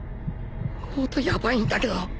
音ヤバいんだけど。